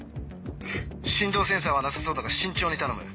振動センサーはなさそうだが慎重に頼む。